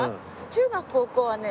中学高校はね。